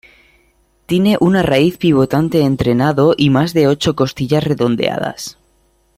Tine una raíz pivotante entrenado y más de ocho costillas redondeadas.